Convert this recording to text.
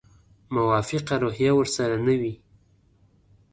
موافقه روحیه ورسره نه وي.